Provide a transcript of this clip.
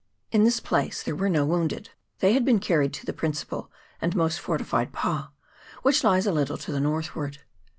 In this place there were no wounded, they had been carried to the principal and most fortified pa, which lies a little to the northward.